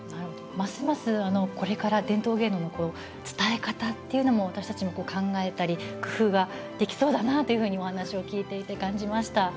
ますますこれから伝統芸能の伝え方というのも私たちも考えたり工夫ができそうだなというふうにお話を聞いていて感じました。